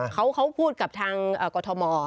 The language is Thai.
เขาพูดกับทางกรทม